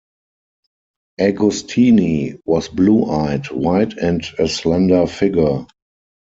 Agustini was blue eyed, white and a slender figure.